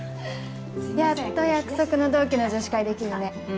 やっと約束の同期の女子会できるね。